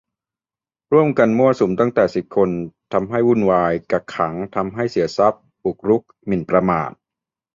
"ร่วมกันมั่วสุมตั้งแต่สิบคน ทำให้วุ่นวาย กักขัง ทำให้เสียทรัพย์ บุกรุก หมิ่นประมาท"